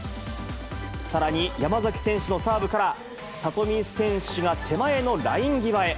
さらに、山崎選手のサーブから、里見選手が手前のライン際へ。